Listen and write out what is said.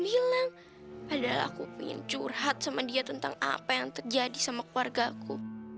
bilang padahal aku ingin curhat sama dia tentang apa yang terjadi sama keluarga aku